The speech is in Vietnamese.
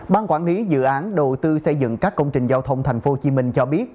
ban quản lý dự án đầu tư xây dựng các công trình giao thông tp hcm cho biết